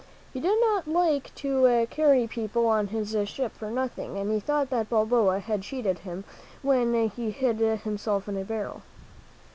He did not like to carry people on his ship for nothing, and he thought that Balboa had cheated him when he hid himself in a barrel.